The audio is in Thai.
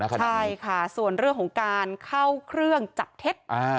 ใช่ค่ะส่วนเรื่องของการเข้าเครื่องจับเท็จ